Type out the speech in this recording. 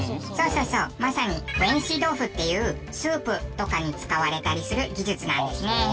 まさに文思豆腐っていうスープとかに使われたりする技術なんですね。